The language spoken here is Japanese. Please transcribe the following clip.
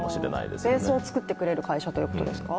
ベースを作ってくれる会社ということですか？